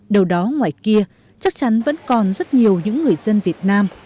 đầu đó ngoài kia chắc chắn vẫn còn rất nhiều những người dân việt nam